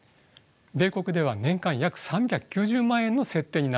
米国では年間約３９０万円の設定になっています。